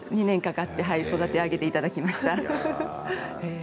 ２年かかって育て上げていただきました。